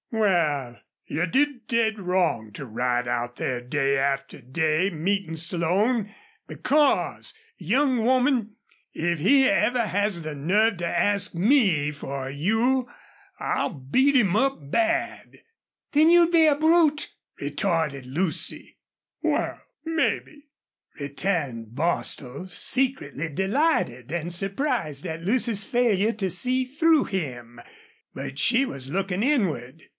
"Wal, you did dead wrong to ride out there day after day meetin' Slone, because young woman if he ever has the nerve to ask me for you I'll beat him up bad." "Then you'd be a brute!" retorted Lucy. "Wal, mebbe," returned Bostil, secretly delighted and surprised at Lucy's failure to see through him. But she was looking inward.